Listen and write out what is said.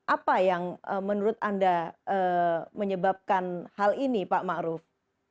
apa yang menurut anda menyebabkan hal ini pak maruf